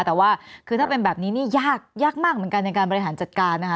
แต่ว่าคือถ้าเป็นแบบนี้นี่ยากยากมากเหมือนกันในการบริหารจัดการนะคะ